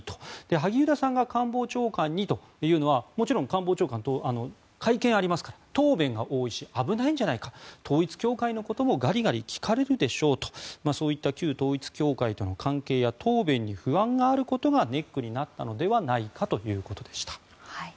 萩生田さんが官房長官にというのはもちろん官房長官は会見がありますから答弁が多いし危ないんじゃないか統一教会のこともガリガリ聞かれるでしょうとそういった旧統一教会との関係や答弁に不安があることがネックになったのではないかということでした。